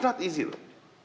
itu tidak mudah